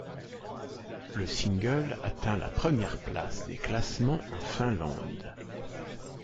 Le single atteint la première place des classements en Finlande.